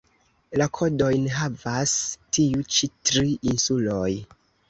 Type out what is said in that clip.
La kodojn havas tiu ĉi tri insuloj.